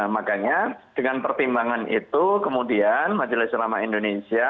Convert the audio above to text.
makanya dengan pertimbangan itu kemudian majelis ulama indonesia